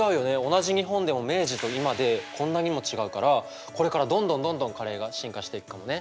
同じ日本でも明治と今でこんなにも違うからこれからどんどんどんどんカレーが進化していくかもね。